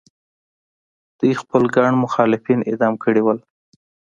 دوی خپل ګڼ مخالفین اعدام کړي وو.